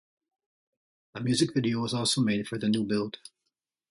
A music video was also made for "The New Build".